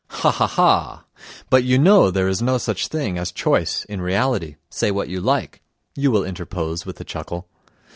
ha! ha! But you know there is no such thing as choice in reality, say what you like," you will interpose with a chuckle.